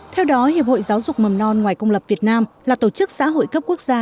theo đó hiệp hội giáo dục mầm non ngoài công lập việt nam là tổ chức xã hội cấp quốc gia